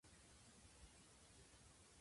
個性を尊重する